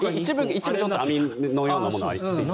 一部に網目のようなものがついてましたね。